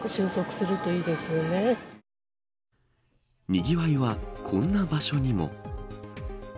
にぎわいは、こんな場所にも。